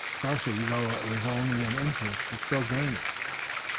Cressy, though it was only in inches, was still gaining.